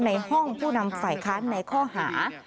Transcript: ในห้องผู้นำฝ่ายค้านในข้อหา